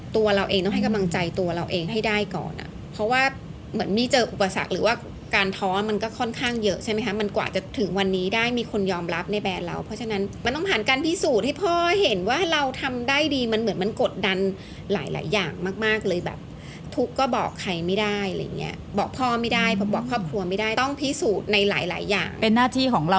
ตัวเราเองต้องให้กำลังใจตัวเราเองให้ได้ก่อนอ่ะเพราะว่าเหมือนมีเจออุปสรรคหรือว่าการท้อมันก็ค่อนข้างเยอะใช่ไหมคะมันกว่าจะถึงวันนี้ได้มีคนยอมรับในแบรนด์เราเพราะฉะนั้นมันต้องผ่านการพิสูจน์ให้พ่อเห็นว่าเราทำได้ดีมันเหมือนมันกดดันหลายหลายอย่างมากมากเลยแบบทุกข์ก็บอกใครไม่ได้อะไรอย่างเ